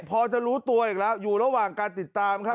พอจะรู้ตัวอีกแล้วอยู่ระหว่างการติดตามครับ